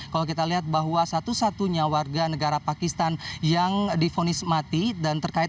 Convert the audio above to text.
kalau kita lihat bahwa satu satunya warga negara pakistan yang difonis mati dan terkait